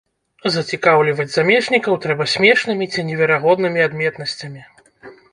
Зацікаўліваць замежнікаў трэба смешнымі ці неверагоднымі адметнасцямі.